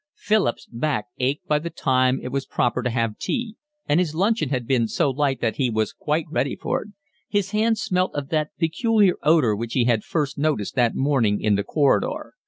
Philip's back ached by the time it was proper to have tea, and his luncheon had been so light that he was quite ready for it. His hands smelt of that peculiar odour which he had first noticed that morning in the corridor.